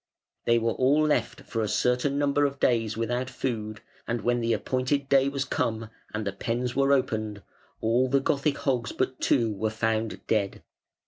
They were all left for a certain number of days without food, and when the appointed day was come, and the pens were opened, all the "Gothic" hogs but two were found dead.